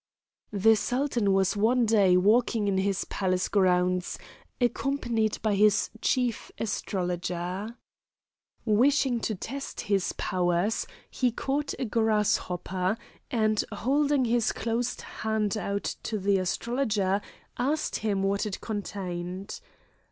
The Sultan was one day walking in his Palace grounds accompanied by his Chief Astrologer; wishing to test his powers he caught a grasshopper, and holding his closed hand out to the astrologer asked him what it contained.